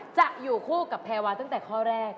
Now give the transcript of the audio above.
จะอยู่คู่กับแพรวาตั้งแต่ข้อแรก